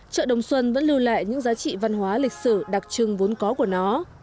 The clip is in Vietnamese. chợ đồng xuân vẫn lưu lại những giá trị văn hóa lịch sử đặc trưng vốn có của nó